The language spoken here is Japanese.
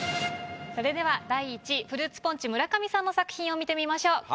それでは第１位フルーツポンチ村上さんの作品を見てみましょう。